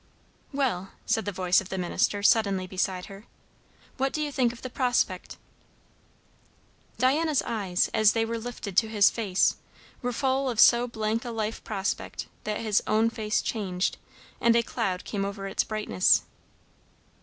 "Well!" said the voice of the minister suddenly beside her, "what do you think of the prospect?" Diana's eyes, as they were lifted to his face, were full of so blank a life prospect, that his own face changed, and a cloud came over its brightness.